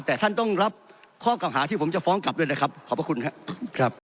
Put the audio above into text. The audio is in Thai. แต่ท่านต้องรับข้อเก่าหาที่ผมจะฟ้องกลับด้วยนะครับขอบพระคุณครับ